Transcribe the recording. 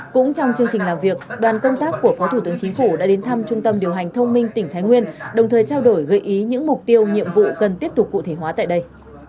cũng trong chương trình làm việc đoàn công tác của phó thủ tướng chính phủ đã đến thăm trung tâm điều hành thông minh tỉnh thái nguyên đồng thời trao đổi gợi ý những mục tiêu nhiệm vụ cần tiếp tục cụ thể hóa tại đây